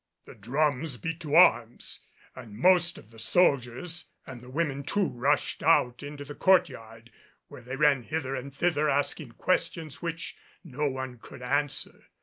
The drums beat to arms and most of the soldiers and the women too rushed out into the courtyard, where they ran hither and thither asking questions which no one could answer.